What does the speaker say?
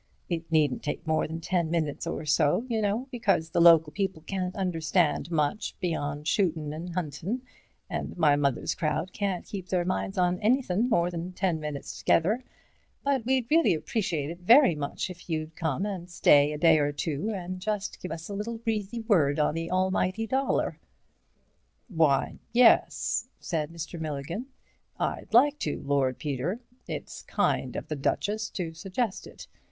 It needn't take more than ten minutes or so, y'know, because the local people can't understand much beyond shootin' and huntin', and my mother's crowd can't keep their minds on anythin' more than ten minutes together, but we'd really appreciate it very much if you'd come and stay a day or two and just give us a little breezy word on the almighty dollar." "Why, yes," said Mr. Milligan, "I'd like to, Lord Peter. It's kind of the Duchess to suggest it.